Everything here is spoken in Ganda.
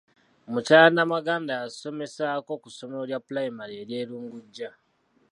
Mukyala Namaganda yasomesaako ku ssomero lya pulayimale erye Lungujja